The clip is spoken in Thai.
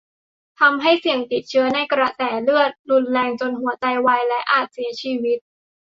ทำให้เสี่ยงติดเชื้อในกระแสเลือดรุนแรง จนหัวใจวาย และอาจเสียชีวิต